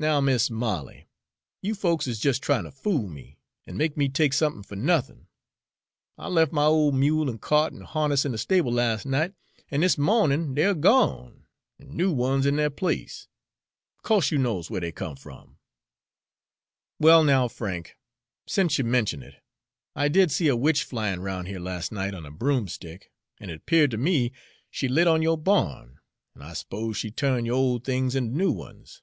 "Now, Mis' Molly! You folks is jes' tryin' ter fool me, an' make me take somethin' fer nuthin'. I lef' my ole mule an' kyart an' harness in de stable las' night, an' dis mawnin' dey 're gone, an' new ones in deir place. Co'se you knows whar dey come from!" "Well, now, Frank, sence you mention it, I did see a witch flyin' roun' here las' night on a broom stick, an' it 'peared ter me she lit on yo'r barn, an' I s'pose she turned yo'r old things into new ones.